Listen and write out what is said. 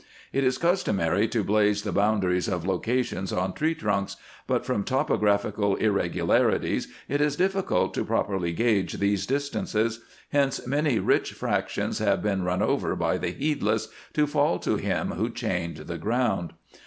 It is customary to blaze the boundaries of locations on tree trunks, but from topographical irregularities it is difficult to properly gauge these distances, hence, many rich fractions have been run over by the heedless, to fall to him who chained the ground.